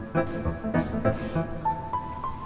guntur banting banting barang